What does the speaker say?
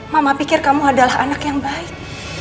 mama pikir kamu adalah anak yang baik